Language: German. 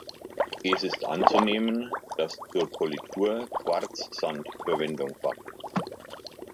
Es ist anzunehmen, dass zur Politur Quarzsand Verwendung fand.